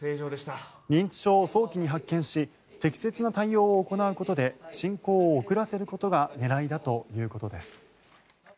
認知症を早期に発見し適切な対応を行うことで進行を遅らせることが狙いだということです。